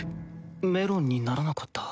メロンにならなかった